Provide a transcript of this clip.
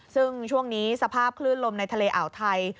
ซึ่งช่วงนี้สภาพคลื่นลมในทะเลอ่าวไทย